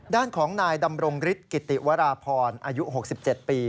ด้านของนายดำรงฤทธิกิติวราพรอายุ๖๗ปี